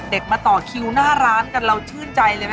มาต่อคิวหน้าร้านกันเราชื่นใจเลยไหม